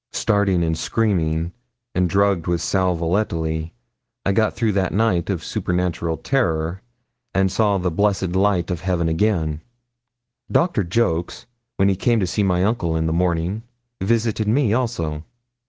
Starting and screaming, and drugged with sal volatile, I got through that night of supernatural terror, and saw the blessed light of heaven again. Doctor Jolks, when he came to see my uncle in the morning, visited me also.